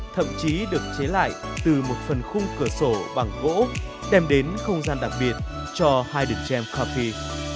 thậm chí được chế lại từ một phần khung cửa sổ bằng gỗ đem đến không gian đặc biệt cho heide gem coffee